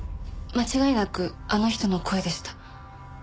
間違いなくあの人の声でした。